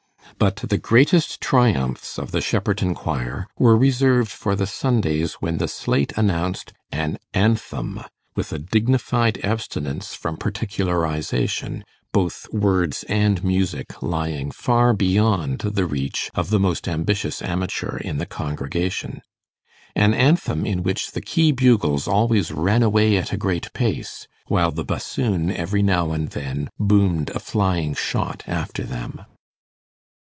But the greatest triumphs of the Shepperton choir were reserved for the Sundays when the slate announced an ANTHEM, with a dignified abstinence from particularization, both words and music lying far beyond the reach of the most ambitious amateur in the congregation: an anthem in which the key bugles always ran away at a great pace, while the bassoon every now and then boomed a flying shot after them.